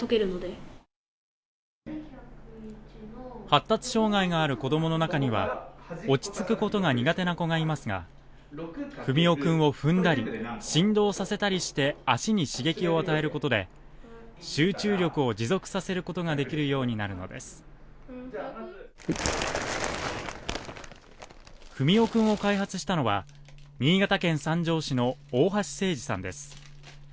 発達障害がある子どもの中には落ち着くことが苦手な子がいますがふみおくんを踏んだり振動させたりして足に刺激を与えることで集中力を持続させることができるようになるのですふみおくんを開発したのは新潟県三条市の大橋清二さんです